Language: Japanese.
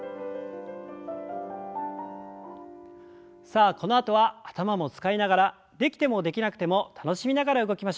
さあこのあとは頭も使いながらできてもできなくても楽しみながら動きましょう。